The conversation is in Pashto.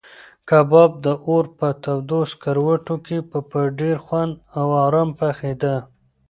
کباب د اور په تودو سکروټو کې په ډېر خوند او ارام پخېده.